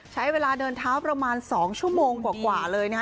ใช้เวลาเดินเท้าประมาณ๒ชั่วโมงกว่าเลยนะฮะ